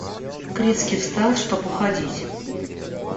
Крицкий встал, чтоб уходить.